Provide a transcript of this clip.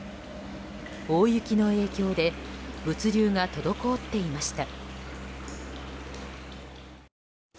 大雪の影響で物流が滞っていました。